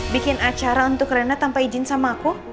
bikin acara untuk renda tanpa izin sama aku